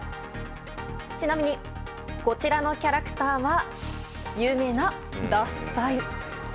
ちなみにこちらのキャラクターは有名な獺祭。